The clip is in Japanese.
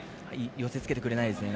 寄せ着けてくれないですね。